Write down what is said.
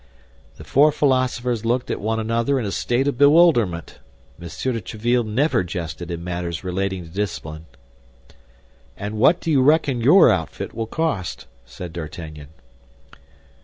The four philosophers looked at one another in a state of bewilderment. M. de Tréville never jested in matters relating to discipline. "And what do you reckon your outfit will cost?" said D'Artagnan.